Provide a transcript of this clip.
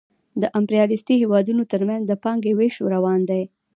د امپریالیستي هېوادونو ترمنځ د پانګې وېش روان دی